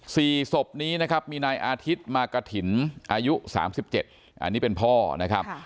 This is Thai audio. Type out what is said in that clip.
สี่สบนี้นะครับมีนายอาทิตย์มากะถิ่นอายุ๓๗อันนี้เป็นพ่อนะครับ